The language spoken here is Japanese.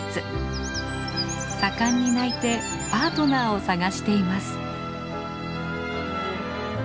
盛んに鳴いてパートナーを探しています。